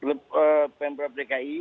untuk pembrak dki